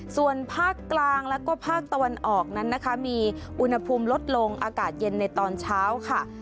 ส่วนภาคกลางและภาพตะวันออกมีอุณหภูมิลดลงอากาศเย็นในตอนเช้า